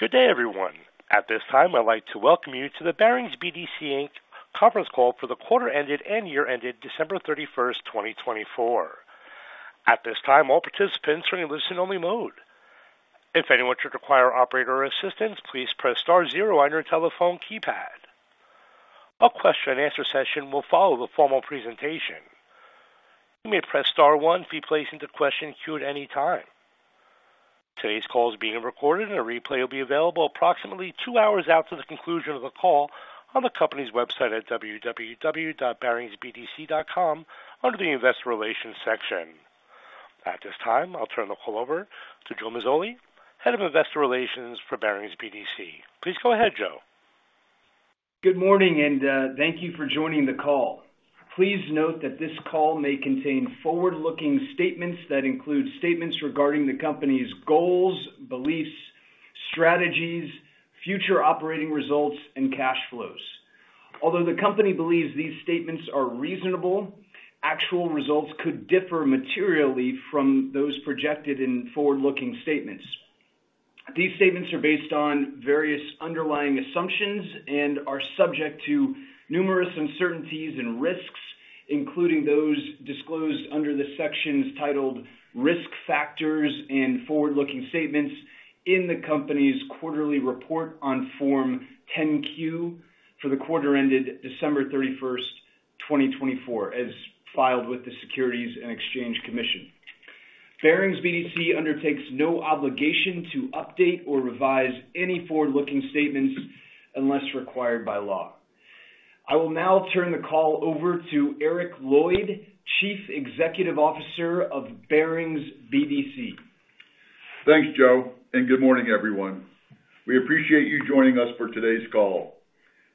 Good day, everyone. At this time, I'd like to welcome you to the Barings BDC Inc. conference call for the quarter-ended and year-ended, December 31st, 2024. At this time, all participants are in listen-only mode. If anyone should require operator assistance, please press star zero on your telephone keypad. A question-and-answer session will follow the formal presentation. You may press star one to be placed into question queue at any time. Today's call is being recorded, and a replay will be available approximately two hours after the conclusion of the call on the company's website at www.baringsbdc.com under the investor relations section. At this time, I'll turn the call over to Joe Mazzoli, head of investor relations for Barings BDC. Please go ahead, Joe. Good morning, and thank you for joining the call. Please note that this call may contain forward-looking statements that include statements regarding the company's goals, beliefs, strategies, future operating results, and cash flows. Although the company believes these statements are reasonable, actual results could differ materially from those projected in forward-looking statements. These statements are based on various underlying assumptions and are subject to numerous uncertainties and risks, including those disclosed under the sections titled risk factors and forward-looking statements in the company's quarterly report on Form 10-Q for the quarter-ended December 31st, 2024, as filed with the Securities and Exchange Commission. Barings BDC undertakes no obligation to update or revise any forward-looking statements unless required by law. I will now turn the call over to Eric Lloyd, Chief Executive Officer of Barings BDC. Thanks, Joe, and good morning, everyone. We appreciate you joining us for today's call.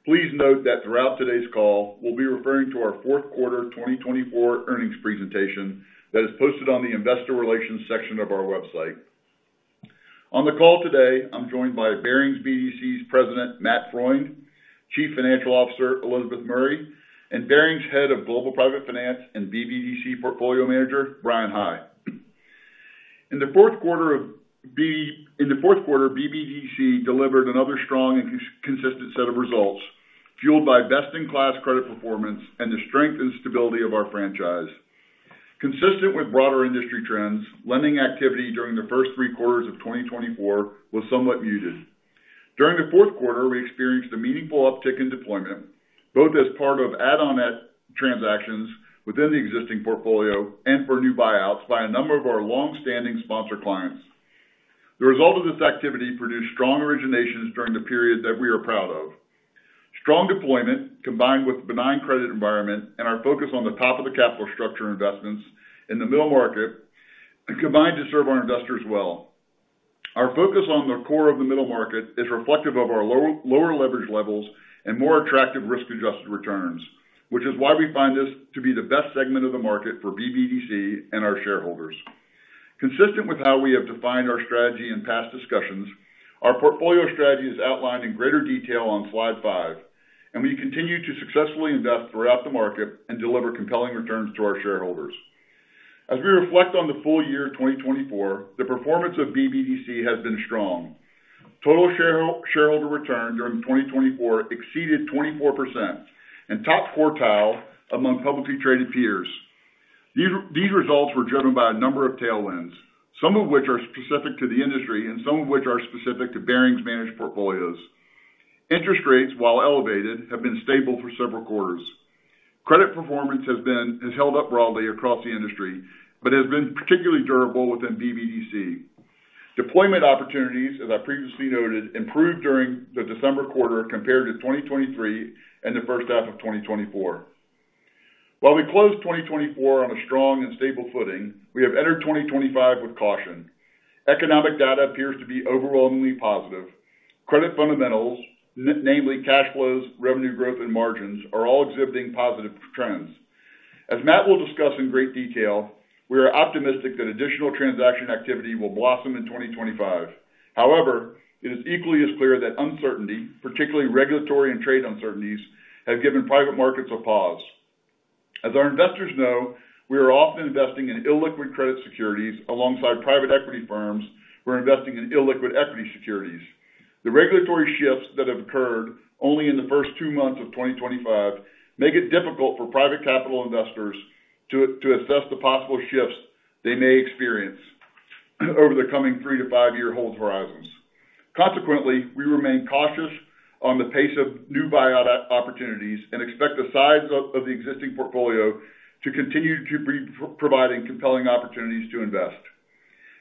Please note that throughout today's call, we'll be referring to our fourth quarter 2024 earnings presentation that is posted on the investor relations section of our website. On the call today, I'm joined by Barings BDC's President, Matt Freund, Chief Financial Officer, Elizabeth Murray, and Barings' head of global private finance and BBDC portfolio manager, Bryan High. In the fourth quarter, BBDC delivered another strong and consistent set of results, fueled by best-in-class credit performance and the strength and stability of our franchise. Consistent with broader industry trends, lending activity during the first three quarters of 2024 was somewhat muted. During the fourth quarter, we experienced a meaningful uptick in deployment, both as part of add-on transactions within the existing portfolio and for new buyouts by a number of our long-standing sponsor clients. The result of this activity produced strong originations during the period that we are proud of. Strong deployment, combined with a benign credit environment and our focus on the top of the capital structure investments in the middle market, combined to serve our investors well. Our focus on the core of the middle market is reflective of our lower leverage levels and more attractive risk-adjusted returns, which is why we find this to be the best segment of the market for BBDC and our shareholders. Consistent with how we have defined our strategy in past discussions, our portfolio strategy is outlined in greater detail on slide five, and we continue to successfully invest throughout the market and deliver compelling returns to our shareholders. As we reflect on the full year 2024, the performance of BBDC has been strong. Total Shareholder Return during 2024 exceeded 24% and topped quartile among publicly traded peers. These results were driven by a number of tailwinds, some of which are specific to the industry and some of which are specific to Barings' managed portfolios. Interest rates, while elevated, have been stable for several quarters. Credit performance has held up broadly across the industry but has been particularly durable within BBDC. Deployment opportunities, as I previously noted, improved during the December quarter compared to 2023 and the first half of 2024. While we closed 2024 on a strong and stable footing, we have entered 2025 with caution. Economic data appears to be overwhelmingly positive. Credit fundamentals, namely cash flows, revenue growth, and margins, are all exhibiting positive trends. As Matt will discuss in great detail, we are optimistic that additional transaction activity will blossom in 2025. However, it is equally as clear that uncertainty, particularly regulatory and trade uncertainties, have given private markets a pause. As our investors know, we are often investing in illiquid credit securities alongside private equity firms who are investing in illiquid equity securities. The regulatory shifts that have occurred only in the first two months of 2025 make it difficult for private capital investors to assess the possible shifts they may experience over the coming three to five-year hold horizons. Consequently, we remain cautious on the pace of new buyout opportunities and expect the size of the existing portfolio to continue to be providing compelling opportunities to invest.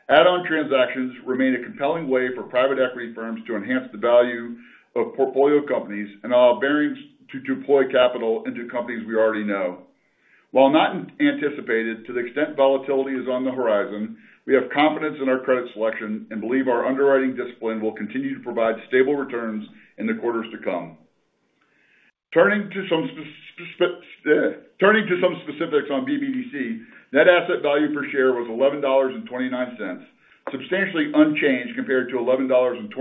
Add-on transactions remain a compelling way for private equity firms to enhance the value of portfolio companies and allow Barings to deploy capital into companies we already know. While not anticipated to the extent volatility is on the horizon, we have confidence in our credit selection and believe our underwriting discipline will continue to provide stable returns in the quarters to come. Turning to some specifics on BBDC, net asset value per share was $11.29, substantially unchanged compared to $11.28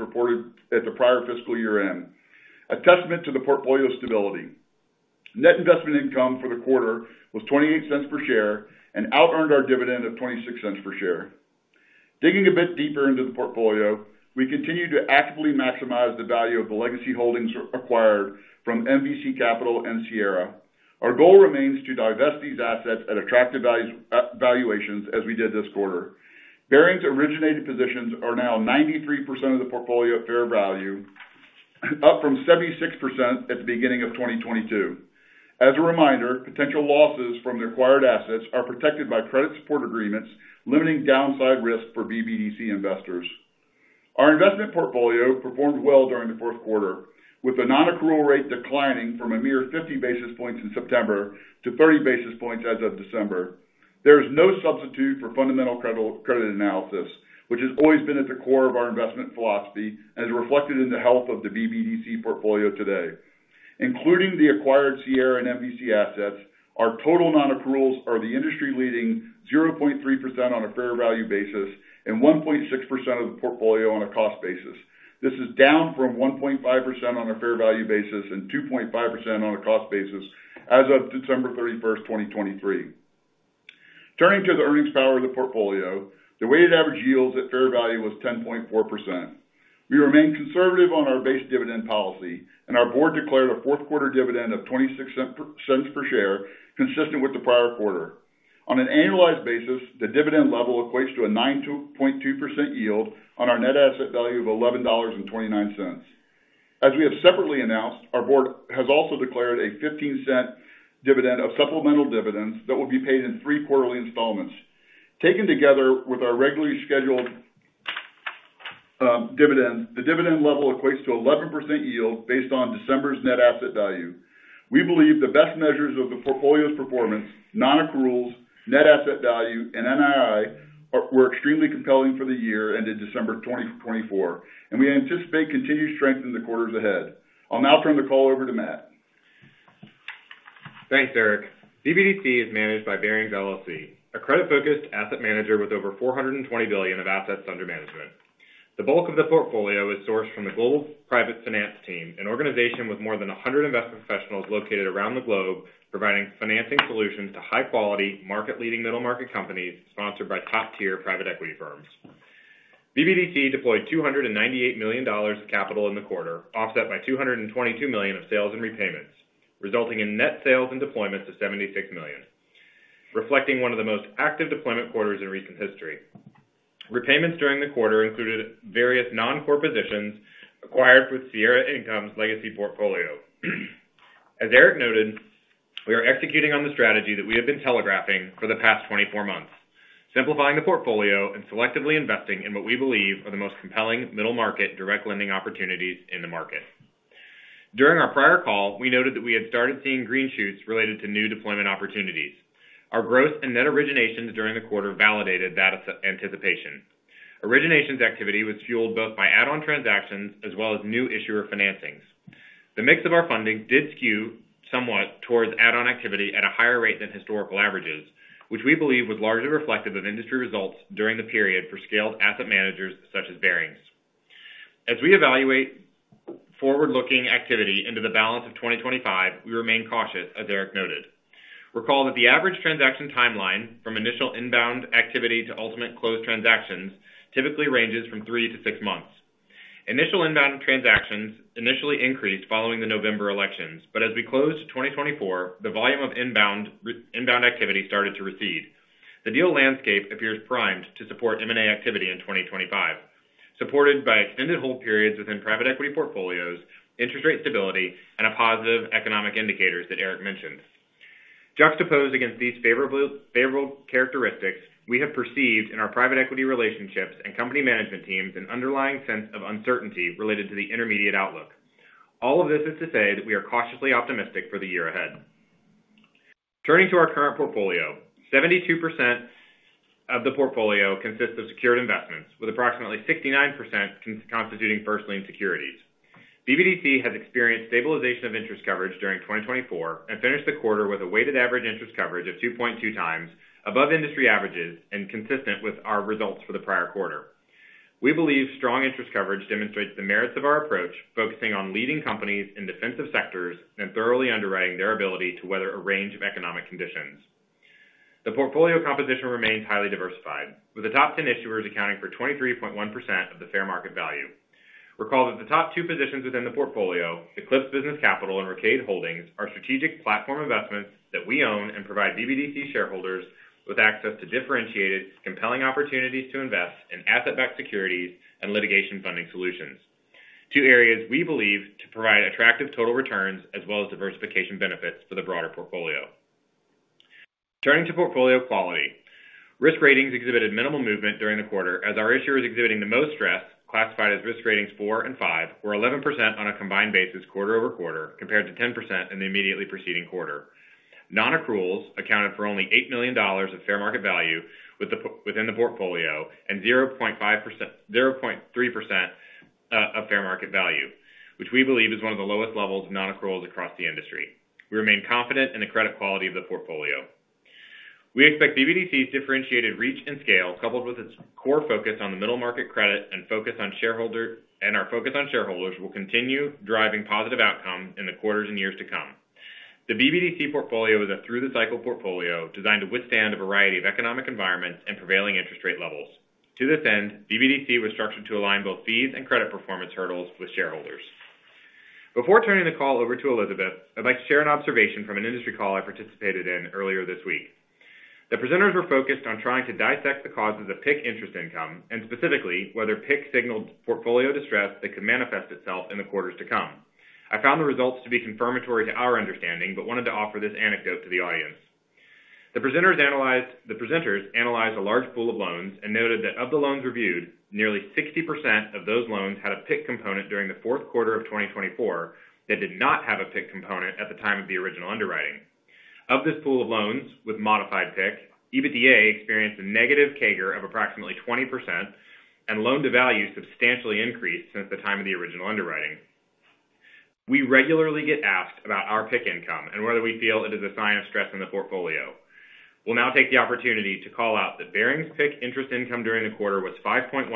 reported at the prior fiscal year-end, a testament to the portfolio stability. Net investment income for the quarter was $0.28 per share and out-earned our dividend of $0.26 per share. Digging a bit deeper into the portfolio, we continue to actively maximize the value of the legacy holdings acquired from MVC Capital and Sierra. Our goal remains to divest these assets at attractive valuations as we did this quarter. Barings' originated positions are now 93% of the portfolio at fair value, up from 76% at the beginning of 2022. As a reminder, potential losses from the acquired assets are protected by credit support agreements, limiting downside risk for BBDC investors. Our investment portfolio performed well during the fourth quarter, with the non-accrual rate declining from a mere 50 basis points in September to 30 basis points as of December. There is no substitute for fundamental credit analysis, which has always been at the core of our investment philosophy and is reflected in the health of the BBDC portfolio today. Including the acquired Sierra and MVC assets, our total non-accruals are the industry-leading 0.3% on a fair value basis and 1.6% of the portfolio on a cost basis. This is down from 1.5% on a fair value basis and 2.5% on a cost basis as of December 31st, 2023. Turning to the earnings power of the portfolio, the weighted average yield at fair value was 10.4%. We remain conservative on our base dividend policy, and our board declared a fourth quarter dividend of $0.26 per share, consistent with the prior quarter. On an annualized basis, the dividend level equates to a 9.2% yield on our net asset value of $11.29. As we have separately announced, our board has also declared a $0.15 dividend of supplemental dividends that will be paid in three quarterly installments. Taken together with our regularly scheduled dividends, the dividend level equates to 11% yield based on December's net asset value. We believe the best measures of the portfolio's performance, non-accruals, net asset value, and NII were extremely compelling for the year ended December 2024, and we anticipate continued strength in the quarters ahead. I'll now turn the call over to Matt. Thanks, Eric. BBDC is managed by Barings LLC, a credit-focused asset manager with over $420 billion of assets under management. The bulk of the portfolio is sourced from the global private finance team, an organization with more than 100 investment professionals located around the globe, providing financing solutions to high-quality, market-leading middle-market companies sponsored by top-tier private equity firms. BBDC deployed $298 million of capital in the quarter, offset by $222 million of sales and repayments, resulting in net sales and deployments of $76 million, reflecting one of the most active deployment quarters in recent history. Repayments during the quarter included various non-core positions acquired with Sierra Income's legacy portfolio. As Eric noted, we are executing on the strategy that we have been telegraphing for the past 24 months, simplifying the portfolio and selectively investing in what we believe are the most compelling middle-market direct lending opportunities in the market. During our prior call, we noted that we had started seeing green shoots related to new deployment opportunities. Our gross and net originations during the quarter validated that anticipation. Originations activity was fueled both by add-on transactions as well as new issuer financings. The mix of our funding did skew somewhat towards add-on activity at a higher rate than historical averages, which we believe was largely reflective of industry results during the period for scaled asset managers such as Barings. As we evaluate forward-looking activity into the balance of 2025, we remain cautious, as Eric noted. Recall that the average transaction timeline from initial inbound activity to ultimate closed transactions typically ranges from three to six months. Initial inbound transactions initially increased following the November elections, but as we closed 2024, the volume of inbound activity started to recede. The deal landscape appears primed to support M&A activity in 2025, supported by extended hold periods within private equity portfolios, interest rate stability, and positive economic indicators that Eric mentioned. Juxtaposed against these favorable characteristics, we have perceived in our private equity relationships and company management teams an underlying sense of uncertainty related to the intermediate outlook. All of this is to say that we are cautiously optimistic for the year ahead. Turning to our current portfolio, 72% of the portfolio consists of secured investments, with approximately 69% constituting first-lien securities. BBDC has experienced stabilization of interest coverage during 2024 and finished the quarter with a weighted average interest coverage of 2.2 times above industry averages and consistent with our results for the prior quarter. We believe strong interest coverage demonstrates the merits of our approach, focusing on leading companies in defensive sectors and thoroughly underwriting their ability to weather a range of economic conditions. The portfolio composition remains highly diversified, with the top 10 issuers accounting for 23.1% of the fair market value. Recall that the top two positions within the portfolio, Eclipse Business Capital and Rocade Holdings, are strategic platform investments that we own and provide BBDC shareholders with access to differentiated, compelling opportunities to invest in asset-backed securities and litigation funding solutions, two areas we believe to provide attractive total returns as well as diversification benefits for the broader portfolio. Turning to portfolio quality, risk ratings exhibited minimal movement during the quarter as our issuers exhibiting the most stress, classified as risk ratings four and five, were 11% on a combined basis quarter over quarter compared to 10% in the immediately preceding quarter. Non-accruals accounted for only $8 million of fair market value within the portfolio and 0.3% of fair market value, which we believe is one of the lowest levels of non-accruals across the industry. We remain confident in the credit quality of the portfolio. We expect BBDC's differentiated reach and scale, coupled with its core focus on the middle market credit and our focus on shareholders, will continue driving positive outcomes in the quarters and years to come. The BBDC portfolio is a through-the-cycle portfolio designed to withstand a variety of economic environments and prevailing interest rate levels. To this end, BBDC was structured to align both fees and credit performance hurdles with shareholders. Before turning the call over to Elizabeth, I'd like to share an observation from an industry call I participated in earlier this week. The presenters were focused on trying to dissect the causes of PIK interest income and specifically whether PIK signaled portfolio distress that could manifest itself in the quarters to come. I found the results to be confirmatory to our understanding but wanted to offer this anecdote to the audience. The presenters analyzed a large pool of loans and noted that of the loans reviewed, nearly 60% of those loans had a PIK component during the fourth quarter of 2024 that did not have a PIK component at the time of the original underwriting. Of this pool of loans with modified PIK, EBITDA experienced a negative CAGR of approximately 20%, and loan-to-value substantially increased since the time of the original underwriting. We regularly get asked about our PIK income and whether we feel it is a sign of stress in the portfolio. We'll now take the opportunity to call out that Barings' PIK interest income during the quarter was 5.1%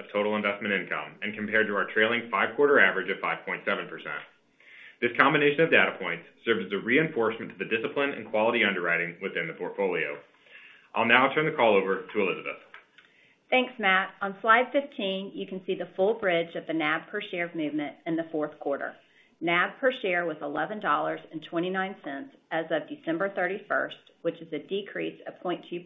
of total investment income and compared to our trailing five-quarter average of 5.7%. This combination of data points serves as a reinforcement to the discipline and quality underwriting within the portfolio. I'll now turn the call over to Elizabeth. Thanks, Matt. On slide 15, you can see the full bridge of the NAV per share movement in the fourth quarter. NAV per share was $11.29 as of December 31st, which is a decrease of 0.2%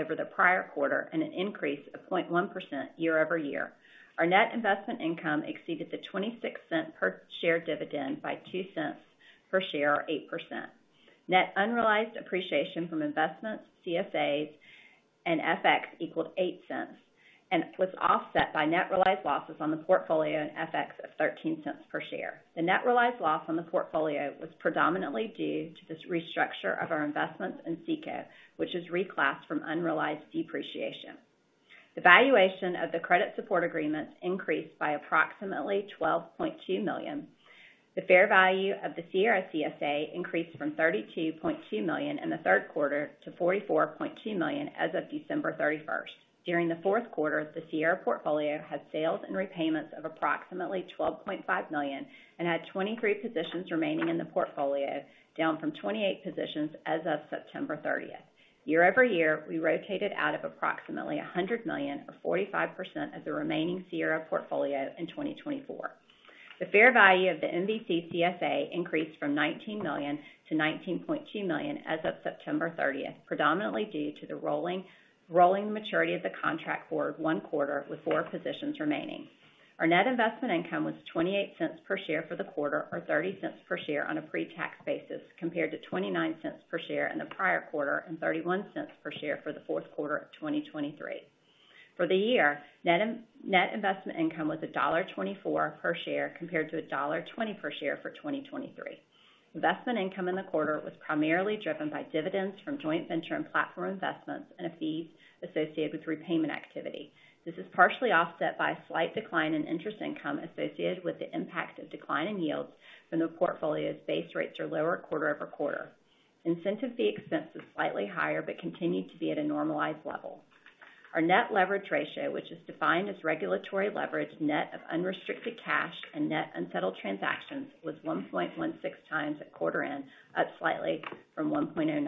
over the prior quarter and an increase of 0.1% year over year. Our net investment income exceeded the $0.26 per share dividend by $0.02 per share, or 8%. Net unrealized appreciation from investments, CFAs, and FX equaled $0.08 and was offset by net realized losses on the portfolio and FX of $0.13 per share. The net realized loss on the portfolio was predominantly due to this restructure of our investments in CECO, which is reclassed from unrealized depreciation. The valuation of the credit support agreements increased by approximately $12.2 million. The fair value of the Sierra CSA increased from $32.2 million in the third quarter to $44.2 million as of December 31st. During the fourth quarter, the Sierra portfolio had sales and repayments of approximately $12.5 million and had 23 positions remaining in the portfolio, down from 28 positions as of September 30th. Year over year, we rotated out of approximately $100 million, or 45% of the remaining Sierra portfolio in 2024. The fair value of the MVC CSA increased from $19 million to $19.2 million as of September 30th, predominantly due to the rolling maturity of the contract forward one quarter with four positions remaining. Our net investment income was $0.28 per share for the quarter, or $0.30 per share on a pre-tax basis, compared to $0.29 per share in the prior quarter and $0.31 per share for the fourth quarter of 2023. For the year, net investment income was $1.24 per share compared to $1.20 per share for 2023. Investment income in the quarter was primarily driven by dividends from joint venture and platform investments and fees associated with repayment activity. This is partially offset by a slight decline in interest income associated with the impact of declining yields when the portfolio's base rates are lower quarter over quarter. Incentive fee expense was slightly higher but continued to be at a normalized level. Our net leverage ratio, which is defined as regulatory leverage net of unrestricted cash and net unsettled transactions, was 1.16 times at quarter end, up slightly from 1.09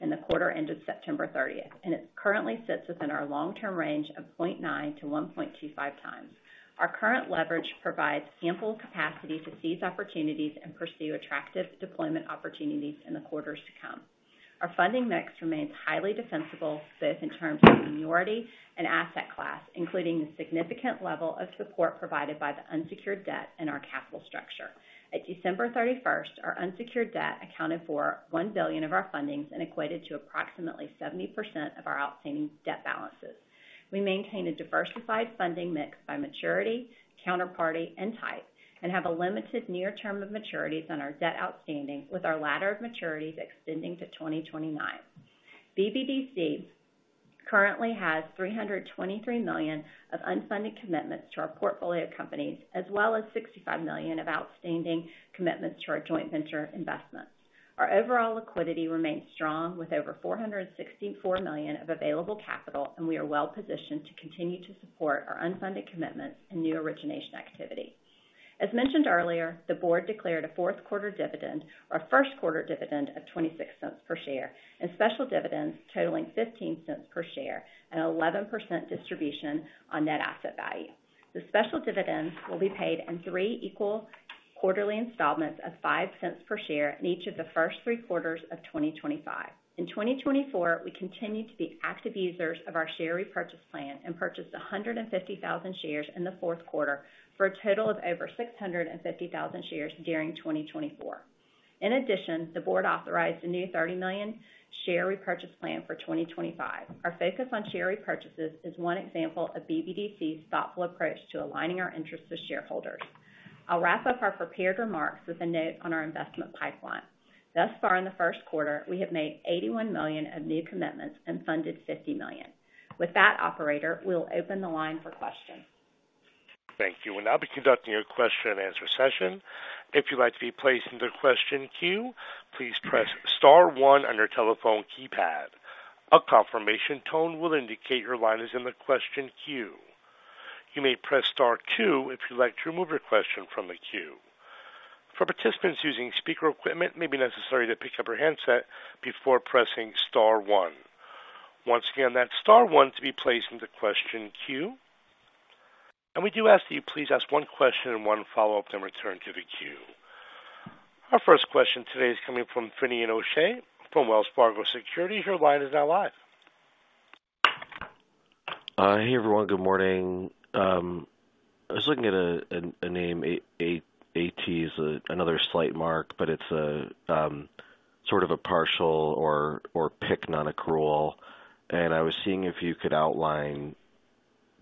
in the quarter ended September 30th, and it currently sits within our long-term range of 0.9-1.25 times. Our current leverage provides ample capacity to seize opportunities and pursue attractive deployment opportunities in the quarters to come. Our funding mix remains highly defensible, both in terms of seniority and asset class, including the significant level of support provided by the unsecured debt in our capital structure. At December 31st, our unsecured debt accounted for $1 billion of our fundings and equated to approximately 70% of our outstanding debt balances. We maintain a diversified funding mix by maturity, counterparty, and type, and have a limited near-term of maturities on our debt outstanding, with our ladder of maturities extending to 2029. BBDC currently has $323 million of unfunded commitments to our portfolio companies, as well as $65 million of outstanding commitments to our joint venture investments. Our overall liquidity remains strong with over $464 million of available capital, and we are well-positioned to continue to support our unfunded commitments and new origination activity. As mentioned earlier, the board declared a fourth quarter dividend or a first quarter dividend of $0.26 per share and special dividends totaling $0.15 per share and 11% distribution on net asset value. The special dividends will be paid in three equal quarterly installments of $0.05 per share in each of the first three quarters of 2025. In 2024, we continued to be active users of our share repurchase plan and purchased 150,000 shares in the fourth quarter for a total of over 650,000 shares during 2024. In addition, the board authorized a new $30 million share repurchase plan for 2025. Our focus on share repurchases is one example of BBDC's thoughtful approach to aligning our interests with shareholders. I'll wrap up our prepared remarks with a note on our investment pipeline. Thus far, in the first quarter, we have made $81 million of new commitments and funded $50 million. With that, Operator, we'll open the line for questions. Thank you. We'll now be conducting a question-and-answer session. If you'd like to be placed in the question queue, please press star one on your telephone keypad. A confirmation tone will indicate your line is in the question queue. You may press star two if you'd like to remove your question from the queue. For participants using speaker equipment, it may be necessary to pick up your handset before pressing star one. Once again, that's star one to be placed in the question queue. And we do ask that you please ask one question and one follow-up then return to the queue. Our first question today is coming from Finian O'Shea from Wells Fargo Securities. Your line is now live. Hey, everyone. Good morning. I was looking at a name. AT is another write-down, but it's sort of a partial or PIK non-accrual, and I was seeing if you could outline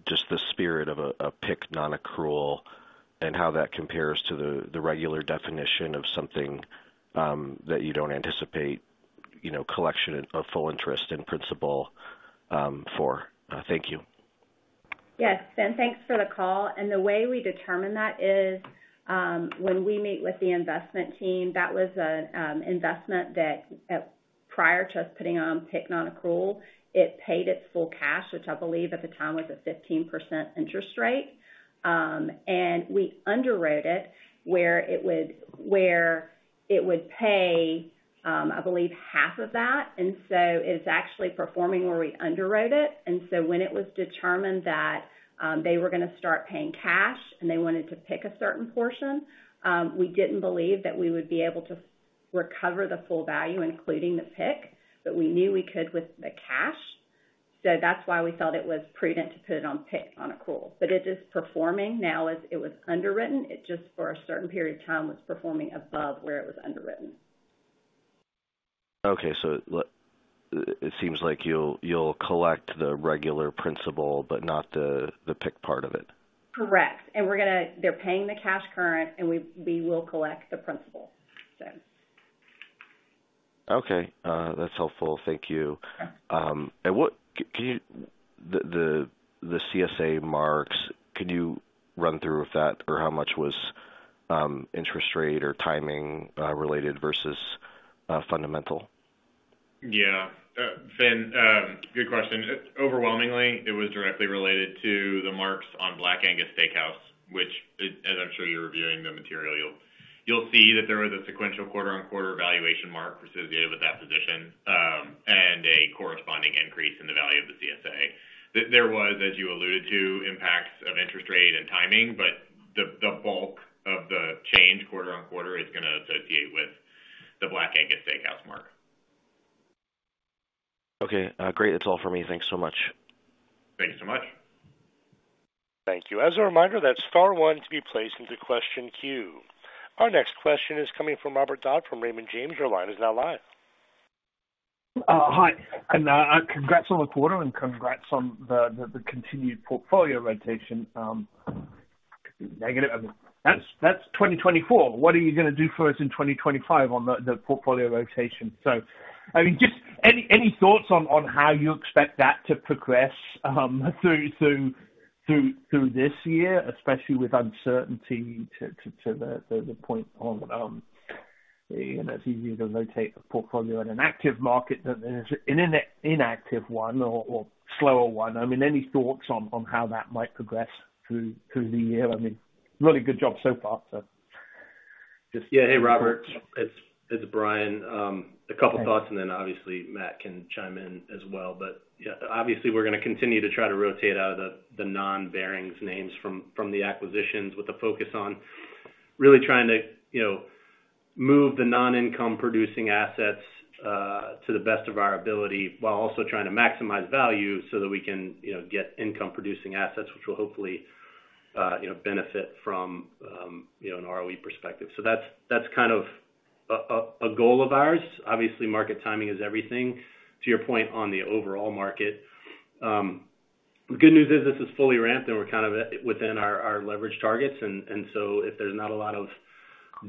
just the spirit of a PIK non-accrual and how that compares to the regular definition of something that you don't anticipate collection of full interest and principal for. Thank you. Yes. Thanks for the call. The way we determine that is when we meet with the investment team, that was an investment that, prior to us putting on PIK non-accrual, it paid its full cash, which I believe at the time was a 15% interest rate. We underwrote it where it would pay, I believe, half of that. It's actually performing where we underwrote it. When it was determined that they were going to start paying cash and they wanted to pick a certain portion, we didn't believe that we would be able to recover the full value, including the PIK, but we knew we could with the cash. That's why we felt it was prudent to put it on PIK non-accrual. It is performing now as it was underwritten. It just, for a certain period of time, was performing above where it was underwritten. Okay. So it seems like you'll collect the regular principal, but not the PIK part of it. Correct. And they're paying cash currently, and we will collect the principal, so. Okay. That's helpful. Thank you and the CSA marks, can you run through with that? Or how much was interest rate or timing related versus fundamental? Yeah. Finn, good question. Overwhelmingly, it was directly related to the marks on Black Angus Steakhouse, which, as I'm sure you're reviewing the material, you'll see that there was a sequential quarter-on-quarter valuation mark associated with that position and a corresponding increase in the value of the CSA. There was, as you alluded to, impacts of interest rate and timing, but the bulk of the change quarter-on-quarter is going to associate with the Black Angus Steakhouse mark. Okay. Great. That's all for me. Thanks so much. Thanks so much. Thank you. As a reminder, that's star one to be placed into question queue. Our next question is coming from Robert Dodd from Raymond James. Your line is now live. Hi. And congrats on the quarter and congrats on the continued portfolio rotation. That's 2024. What are you going to do for us in 2025 on the portfolio rotation? So I mean, just any thoughts on how you expect that to progress through this year, especially with uncertainty to the point on, and it's easier to rotate the portfolio at an active market than an inactive one or slower one? I mean, any thoughts on how that might progress through the year? I mean, really good job so far, so. Yeah. Hey, Robert. It's Brian. A couple of thoughts, and then obviously, Matt can chime in as well. But yeah, obviously, we're going to continue to try to rotate out of the non-Barings names from the acquisitions with a focus on really trying to move the non-income-producing assets to the best of our ability while also trying to maximize value so that we can get income-producing assets, which will hopefully benefit from an ROE perspective. So that's kind of a goal of ours. Obviously, market timing is everything. To your point on the overall market, the good news is this is fully ramped, and we're kind of within our leverage targets. And so if there's not a lot of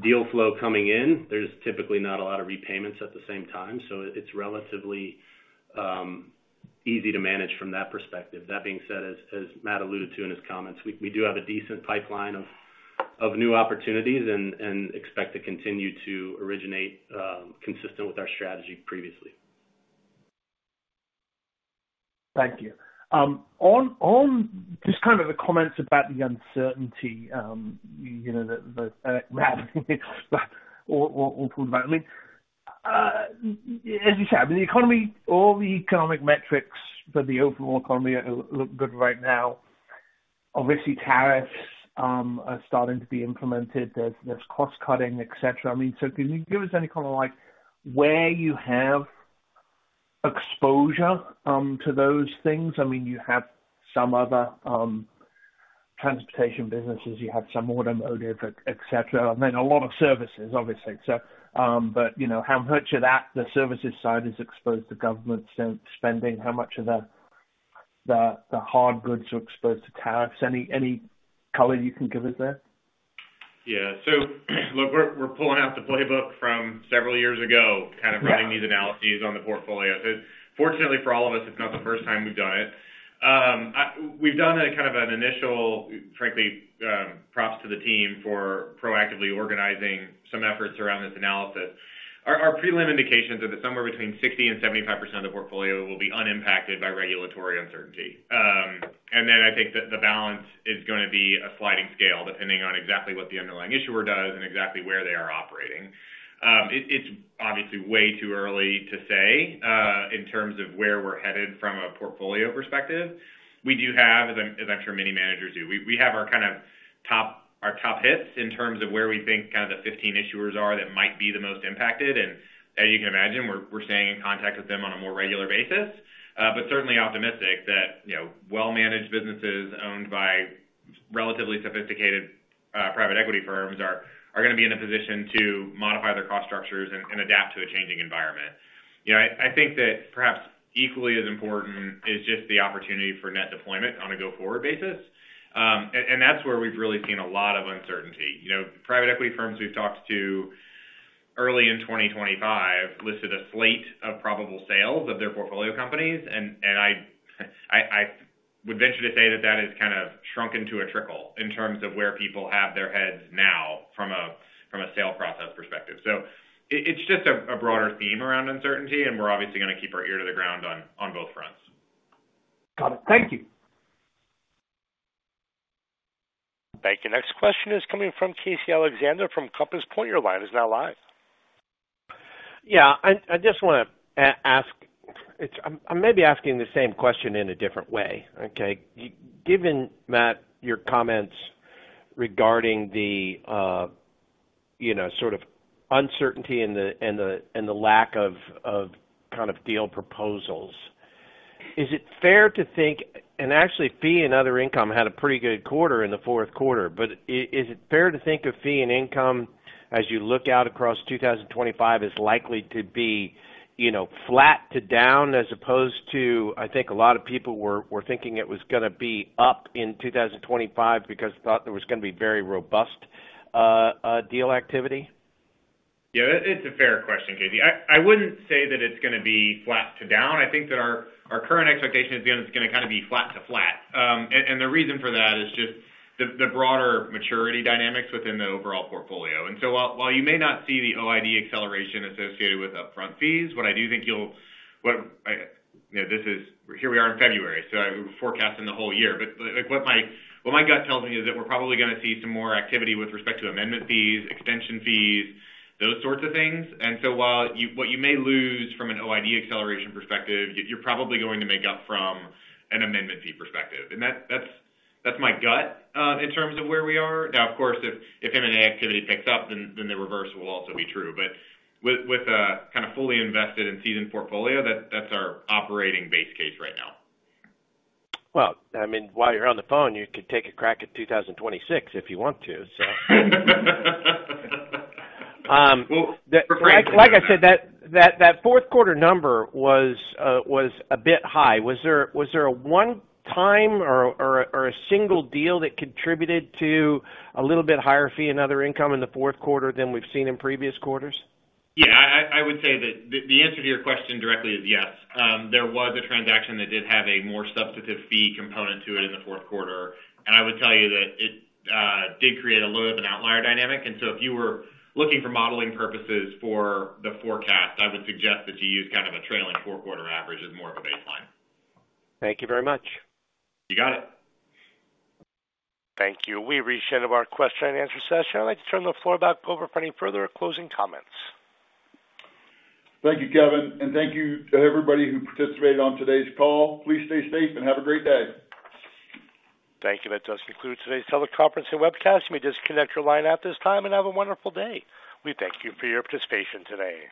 deal flow coming in, there's typically not a lot of repayments at the same time. So it's relatively easy to manage from that perspective. That being said, as Matt alluded to in his comments, we do have a decent pipeline of new opportunities and expect to continue to originate consistent with our strategy previously. Thank you. On just kind of the comments about the uncertainty, or talk about, I mean, as you said, I mean, the economy or the economic metrics for the overall economy look good right now. Obviously, tariffs are starting to be implemented. There's cost-cutting, etc. I mean, so can you give us any kind of where you have exposure to those things? I mean, you have some other transportation businesses, you have some automotive, etc., and then a lot of services, obviously. But how much of that, the services side, is exposed to government spending? How much of the hard goods are exposed to tariffs? Any color you can give us there? Yeah. So look, we're pulling out the playbook from several years ago, kind of running these analyses on the portfolio. So fortunately for all of us, it's not the first time we've done it. We've done kind of an initial, frankly, props to the team for proactively organizing some efforts around this analysis. Our prelim indications are that somewhere between 60% and 75% of the portfolio will be unimpacted by regulatory uncertainty. And then I think that the balance is going to be a sliding scale depending on exactly what the underlying issuer does and exactly where they are operating. It's obviously way too early to say in terms of where we're headed from a portfolio perspective. We do have, as I'm sure many managers do, we have our kind of top hits in terms of where we think kind of the 15 issuers are that might be the most impacted, and as you can imagine, we're staying in contact with them on a more regular basis, but certainly optimistic that well-managed businesses owned by relatively sophisticated private equity firms are going to be in a position to modify their cost structures and adapt to a changing environment. I think that perhaps equally as important is just the opportunity for net deployment on a go-forward basis, and that's where we've really seen a lot of uncertainty. Private equity firms we've talked to early in 2025 listed a slate of probable sales of their portfolio companies. And I would venture to say that that has kind of shrunken to a trickle in terms of where people have their heads now from a sale process perspective. So it's just a broader theme around uncertainty, and we're obviously going to keep our ear to the ground on both fronts. Got it. Thank you. Thank you. Next question is coming from Casey Alexander from Compass Point. Your line is now live. Yeah. I just want to ask. I'm maybe asking the same question in a different way. Okay. Given, Matt, your comments regarding the sort of uncertainty and the lack of kind of deal proposals, is it fair to think, and actually, fee and other income had a pretty good quarter in the fourth quarter. But is it fair to think of fee and income, as you look out across 2025, as likely to be flat to down as opposed to, I think a lot of people were thinking it was going to be up in 2025 because they thought there was going to be very robust deal activity? Yeah. It's a fair question, Casey. I wouldn't say that it's going to be flat to down. I think that our current expectation is going to kind of be flat to flat, and the reason for that is just the broader maturity dynamics within the overall portfolio, and so while you may not see the OID acceleration associated with upfront fees, what I do think you'll see. This is here we are in February, so I'm forecasting the whole year. But what my gut tells me is that we're probably going to see some more activity with respect to amendment fees, extension fees, those sorts of things, and so while what you may lose from an OID acceleration perspective, you're probably going to make up from an amendment fee perspective. And that's my gut in terms of where we are. Now, of course, if M&A activity picks up, then the reverse will also be true. But with a kind of fully invested and seasoned portfolio, that's our operating base case right now. Well, I mean, while you're on the phone, you could take a crack at 2026 if you want to, so. Like I said, that fourth quarter number was a bit high. Was there one time or a single deal that contributed to a little bit higher fee and other income in the fourth quarter than we've seen in previous quarters? Yeah. I would say that the answer to your question directly is yes. There was a transaction that did have a more substantive fee component to it in the fourth quarter. And I would tell you that it did create a little bit of an outlier dynamic. And so if you were looking for modeling purposes for the forecast, I would suggest that you use kind of a trailing four-quarter average as more of a baseline. Thank you very much. You got it. Thank you. We've reached the end of our question-and-answer session. I'd like to turn the floor back over for any further closing comments. Thank you, Kevin. And thank you to everybody who participated on today's call. Please stay safe and have a great day. Thank you. That does conclude today's teleconference and webcast. You may just disconnect your line at this time and have a wonderful day. We thank you for your participation today.